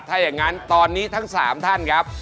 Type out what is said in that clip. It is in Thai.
ถ้าอย่างนั้นตอนนี้ทั้ง๓ท่านครับ